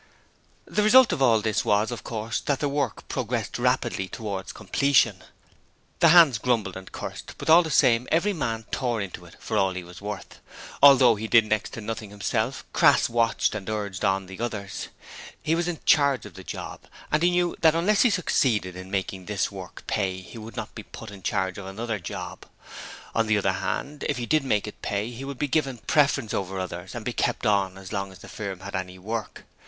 The result of all this was, of course, that the work progressed rapidly towards completion. The hands grumbled and cursed, but all the same every man tore into it for all he was worth. Although he did next to nothing himself, Crass watched and urged on the others. He was 'in charge of the job': he knew that unless he succeeded in making this work pay he would not be put in charge of another job. On the other hand, if he did make it pay he would be given the preference over others and be kept on as long as the firm had any work.